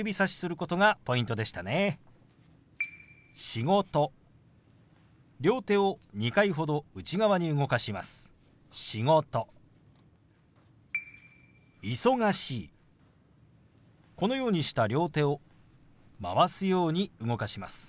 このようにした両手を回すように動かします。